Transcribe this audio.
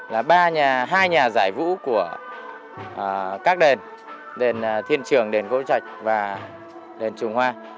là hai nhà giải vũ của các đền đền thiên trường đền vũ trạch và đền trùng hoa